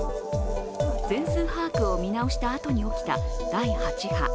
全数把握を見直した後に起きた第８波。